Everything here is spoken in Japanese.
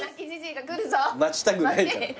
待ちたくないから。